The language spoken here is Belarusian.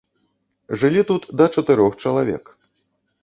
Жылі тут да чатырох чалавек.